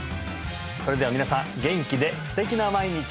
それでは皆さん元気で素敵な毎日を！